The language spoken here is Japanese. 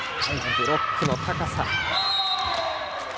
ブロックの高さ。